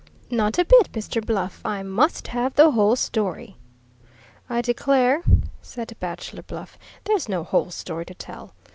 "Not a bit, Mr. Bluff. I must have the whole story." "I declare," said Bachelor Bluff, "there's no whole story to tell.